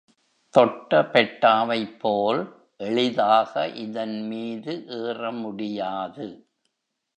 தொட்டபெட்டாவைப்போல் எளிதாக இதன்மீது ஏற முடியாது.